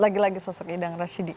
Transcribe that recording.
lagi lagi sosok idang rashidi